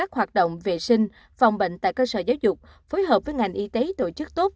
hoạt động vệ sinh phòng bệnh tại cơ sở giáo dục phối hợp với ngành y tế tổ chức tốt